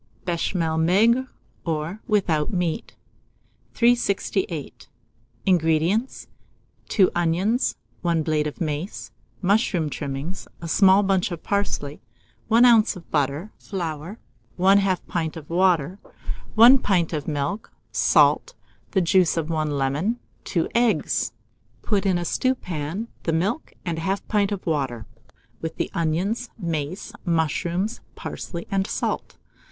BECHAMEL MAIGRE, or WITHOUT MEAT. 368. INGREDIENTS. 2 onions, 1 blade of mace, mushroom trimmings, a small bunch of parsley, 1 oz. of butter, flour, 1/2 pint of water, 1 pint of milk, salt, the juice of 1 lemon, 2 eggs. Mode. Put in a stewpan the milk, and 1/2 pint of water, with the onions, mace, mushrooms, parsley, and salt.